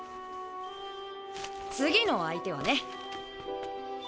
次の相手はね。